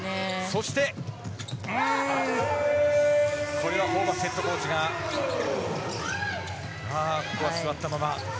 これはホーバスヘッドコーチが座ったまま。